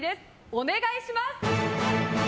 お願いします。